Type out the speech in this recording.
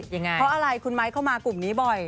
ยังไงเพราะอะไรคุณไม้เข้ามากลุ่มนี้บ่อย